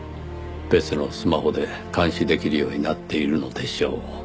別のスマホで監視できるようになっているのでしょう。